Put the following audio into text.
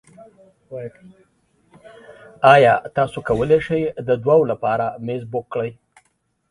ایا تاسو کولی شئ د دوو لپاره میز بک کړئ؟